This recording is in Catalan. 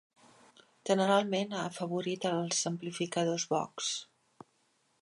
Generalment ha afavorit els amplificadors Vox.